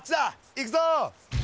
行くぞ。